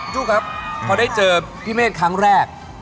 ลูกครับพอได้เจอพี่เมฆครั้งแรก